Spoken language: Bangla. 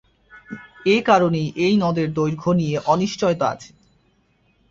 এই কারণেই এই নদের দৈর্ঘ্য নিয়ে অনিশ্চয়তা আছে।